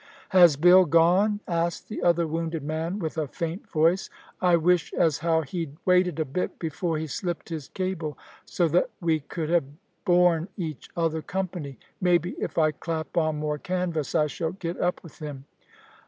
"Has Bill gone?" asked the other wounded man, with a faint voice, "I wish as how he'd waited a bit before he slipped his cable, so that we could have borne each other company; maybe, if I clap on more canvas, I shall get up with him.